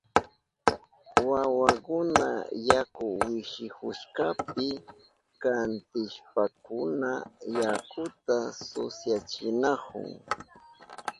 Wawakuna yaku wishihushkapi kantishpankuna yakuta susyachinahun.